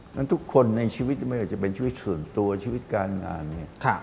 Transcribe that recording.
นั้นทุกคนในชีวิตไม่ว่าจะเป็นชีวิตส่วนตัวชีวิตการงานเนี่ย